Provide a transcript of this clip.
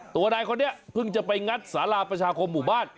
ตัวนายคนนี้เพิ่งจะไปงัดสาราประชาคมหมู่บ้าน